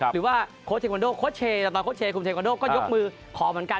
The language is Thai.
หรือว่าโค้ชเทควันโดโค้ชเชแต่ตอนโค้ชเชคุมเทคอนโดก็ยกมือขอเหมือนกัน